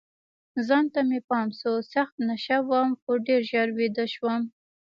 ځان ته مې پام شو، سخت نشه وم، خو ډېر ژر بیده شوم.